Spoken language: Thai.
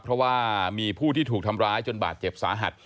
เพราะว่ามีผู้ที่ถูกทำร้ายจนบาดเจ็บสาหัส